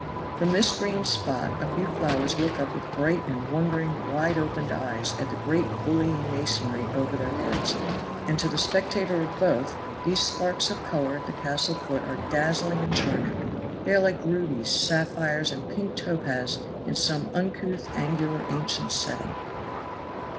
From this green spot a few flowers look up with bright and wondering wide opened eyes at the great bullying masonry over their heads; and to the spectator of both, these sparks of color at the castle foot are dazzling and charming; they are like rubies, sapphires and pink topaz in some uncouth angular ancient setting.